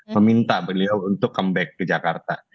meminta beliau untuk comeback ke jakarta